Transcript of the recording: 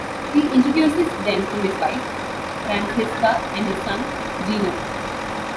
He introduces them to his wife, Francesca and his son, Gino.